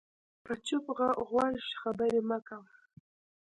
په چپ غوږ خبرې مه کوه